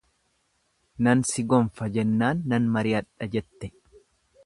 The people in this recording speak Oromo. Nan si gonfa jennaan nan mariyadha jette.